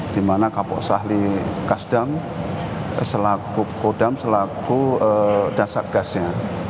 dimana kapolok sahli kodam selaku dan satgasnya